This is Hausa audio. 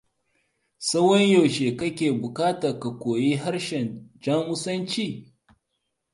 Tsawon yaushe kake bukata ka koyi harshen Jamusanci?